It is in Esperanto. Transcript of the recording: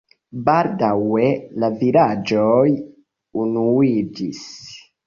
Baldaŭe la vilaĝoj unuiĝis.